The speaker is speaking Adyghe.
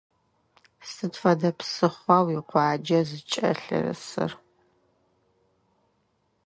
Сыд фэдэ псыхъуа уикъуаджэ зыкӏэлъырысыр?